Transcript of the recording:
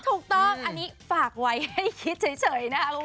ถูกต้องอันนี้ฝากไว้ให้คิดเฉยนะคะ